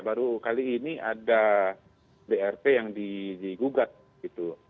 baru kali ini ada dart yang digugat